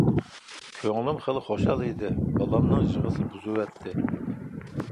كۆڭلۈم خېلى خۇشال ئىدى، بالامنىڭ يىغىسى بۇزۇۋەتتى.